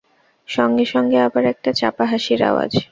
সঙ্গে সঙ্গে আবার একটা চাপা হাসির আওয়াজ।